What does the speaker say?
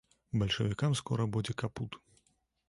Бальшавікам скора будзе капут.